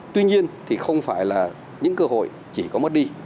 tuy nhiên thì không phải là những cơ hội chỉ có mất đi